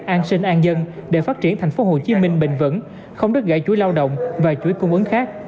an sinh an dân để phát triển tp hcm bình vẩn không đứt gãy chuỗi lao động và chuỗi cung ứng khác